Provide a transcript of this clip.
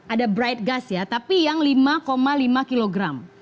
ada bright gas ya tapi yang lima lima kilogram